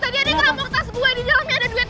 tadi ada keramuk tas gue di dalamnya ada duit gue